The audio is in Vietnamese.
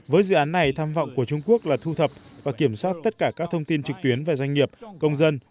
với dự án này tham vọng của trung quốc là thu thập và kiểm soát tất cả các thông tin trực tuyến về doanh nghiệp công dân